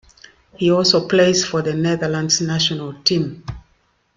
He also plays for the Netherlands national team.